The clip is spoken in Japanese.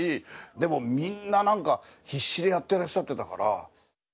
でもみんな何か必死でやってらっしゃってたから。